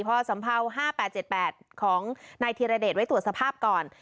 พอสัมเภา๕๘๗๘ของนายธิรเดชไว้ตรวจสภาพก่อน